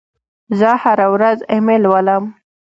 زه هره ورځ ایمیل لولم.